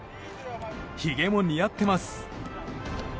ひげも似合ってます。